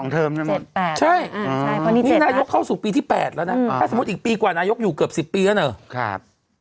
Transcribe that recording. ๒เทอมใช่ไหมใช่นี่นายกเข้าสู่ปีที่๘แล้วนะถ้าสมมุติอีกปีกว่านายกอยู่เกือบ๑๐ปีแล้วเนาะ